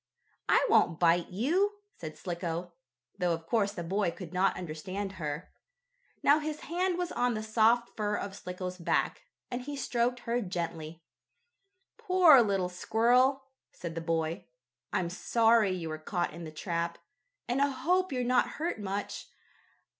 "I won't bite you," said Slicko, though of course the boy could not understand her. Now his hand was on the soft fur of Slicko's back, and he stroked her gently. "Poor little squirrel," said the boy. "I'm sorry you were caught in the trap, and I hope you're not hurt much.